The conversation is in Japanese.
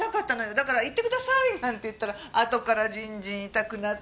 だから行ってくださいなんて言ったらあとからジンジン痛くなってきて。